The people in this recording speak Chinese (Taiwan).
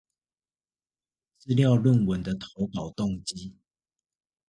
資料論文的投稿動機